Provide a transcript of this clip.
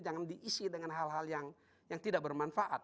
jangan diisi dengan hal hal yang tidak bermanfaat